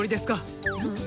うん？